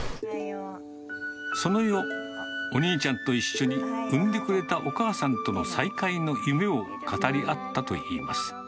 その夜、お兄ちゃんと一緒に産んでくれたお母さんとの再会の夢を語り合ったといいます。